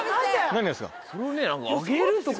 何がですか？